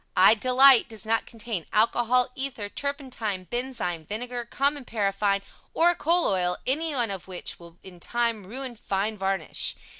I DE LITE does not contain alcohol, ether, turpentine, benzine, vinegar, common paraffine or coal oil, anyone of which will in time ruin fine varnish.